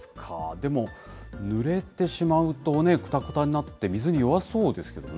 でも、ぬれてしまうとね、くたくたになって水に弱そうですけどね。